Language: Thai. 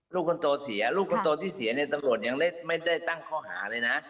ลูกคนโตเสียลูกคนโตที่เสียเนี่ยตำรวจยังไม่ได้ตั้งข้อหาเลยนะ